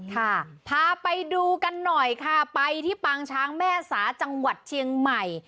พาไปดูกันหน่อยค่ะไปที่ปางช้างแม่สาจังหวัดเชียงใหม่